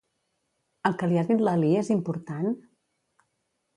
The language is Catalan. El que li ha dit Lalí és important?